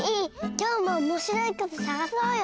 今日もおもしろいことさがそうよ！